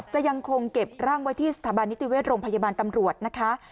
จะยังคงเก็บร่างไว้ที่สถาบันนิติเวชโรงพยาบาลตำรวจนะคะ